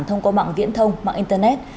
thông qua mạng viễn thông mạng internet